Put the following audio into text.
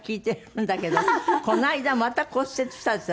この間また骨折したんですって？